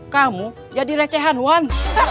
kamu jadi recehan wan